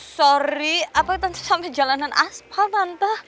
sorry apa tentu sampai jalanan aspal tante